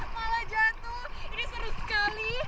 malah jatuh ini seru sekali